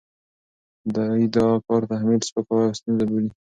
دوی دا کار تحمیل، سپکاوی او ستونزه بولي،